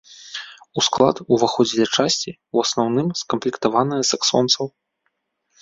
У склад уваходзілі часці, ў асноўным скамплектаваныя з саксонцаў.